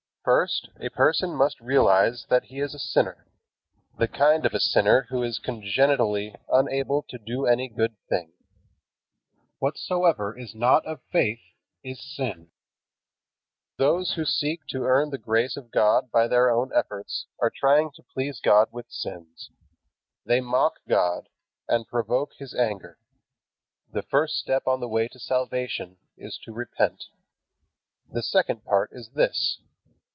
First, a person must realize that he is a sinner, the kind of a sinner who is congenitally unable to do any good thing. "Whatsoever is not of faith, is sin." Those who seek to earn the grace of God by their own efforts are trying to please God with sins. They mock God, and provoke His anger. The first step on the way to salvation is to repent. The second part is this.